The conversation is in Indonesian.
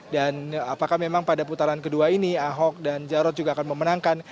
dan apakah memang pada putaran kedua ini ahok dan jorok juga akan memenangkan